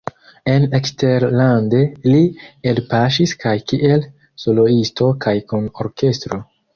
En eksterlande li elpaŝis kaj kiel soloisto kaj kun orkestro.